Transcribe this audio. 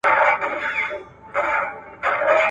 اته منفي دوه؛ شپږ پاته کېږي.